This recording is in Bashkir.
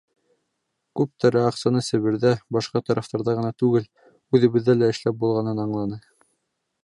Күптәре аҡсаны Себерҙә, башҡа тарафтарҙа ғына түгел, үҙебеҙҙә лә эшләп булғанын аңланы.